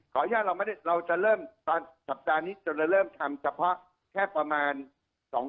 ขออนุญาตให้รู้จักเราจะเริ่มวันสัปดาห์นี้เจอนิเชียร์จะเริ่มทำเฉพาะแค่ประมาณ